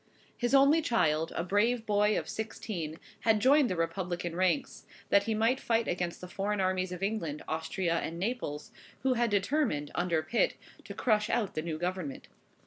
His only child, a brave boy of sixteen, had joined the Republican ranks, that he might fight against the foreign armies of England, Austria, and Naples, who had determined, under Pitt, to crush out the new government.